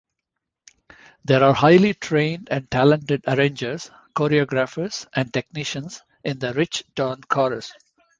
There are highly trained and talented arrangers, choreographers, and technicians in the Rich-Tone chorus.